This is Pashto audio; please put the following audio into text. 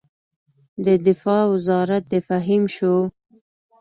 د دفاع وزارت د فهیم شو.